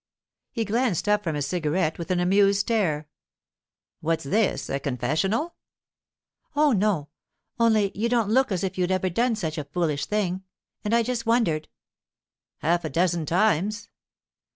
He glanced up from his cigarette with an amused stare. 'What's this—a confessional?' 'Oh, no—only you don't look as if you'd ever done such a foolish thing, and I just wondered——' 'Half a dozen times.